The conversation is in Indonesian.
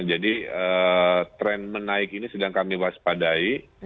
jadi tren menaik ini sedang kami waspadai